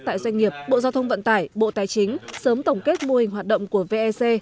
tại doanh nghiệp bộ giao thông vận tải bộ tài chính sớm tổng kết mô hình hoạt động của vec